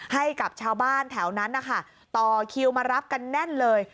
ให้กับชาวบ้านแถวนั้นนะคะต่อคิวมารับกันแน่นเลย